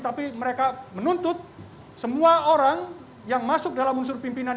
tapi mereka menuntut semua orang yang masuk dalam unsur pimpinan